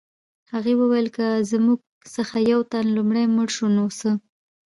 هغې وویل که زموږ څخه یو تن لومړی مړ شو نو څه